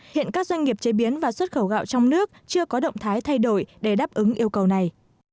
hiện các doanh nghiệp chế biến và xuất khẩu gạo trong nước chưa có động thái thay đổi để đáp ứng yêu cầu này